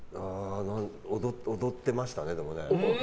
踊ってましたね、でもね。